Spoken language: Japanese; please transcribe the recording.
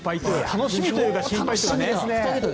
楽しみというか心配しちゃいますね。